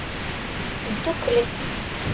Dduklet.